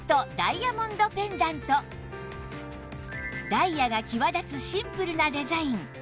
ダイヤが際立つシンプルなデザイン